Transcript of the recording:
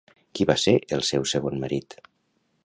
Qui va ser el seu segon marit?